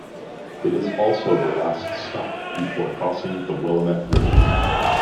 It is also the last stop before crossing the Willamette River.